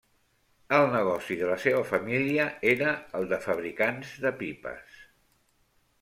El negoci de la seva família era el de fabricants de pipes.